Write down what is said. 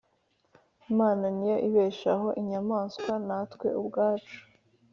Imana niyo ibeshaho inyamaswa natwe ubwacu